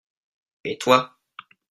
Et toi ?